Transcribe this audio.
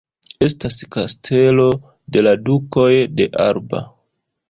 Estas Kastelo de la Dukoj de Alba.